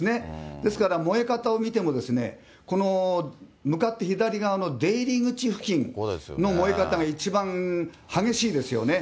ですから、燃え方を見ても、この、向かって左側の出入り口付近の燃え方が一番激しいですよね。